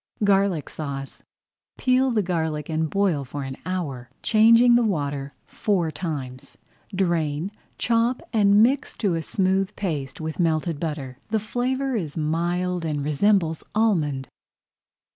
GARLIC SAUCE Peel the garlic and boil for an hour, changing the water four times. Drain, chop, and mix to a smooth paste with melted butter. The flavour is mild and resembles almond.